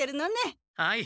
はい。